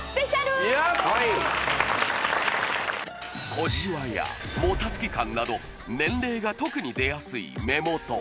小じわやもたつき感など年齢が特に出やすい目元